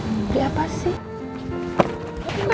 beli apa sih